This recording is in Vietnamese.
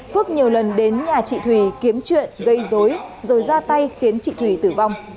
phước nhiều lần đến nhà chị thùy kiếm chuyện gây dối rồi ra tay khiến chị thùy tử vong